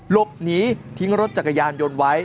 หลบหนีทิ้งรถจักรยานยนต์ไว้